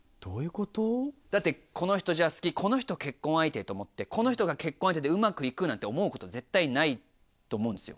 だってこの人好きこの人結婚相手と思ってこの人が結婚相手でうまく行くなんて思うこと絶対ないと思うんですよ。